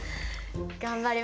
頑張ります。